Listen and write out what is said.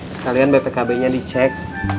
sekalian bpkb nya dicek